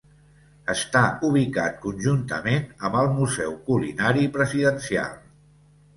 Està ubicat conjuntament amb el Museu Culinari Presidencial.